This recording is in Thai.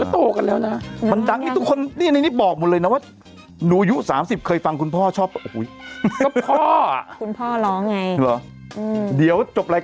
ต่อมาว่าเพลงรักษาเสื้อลาย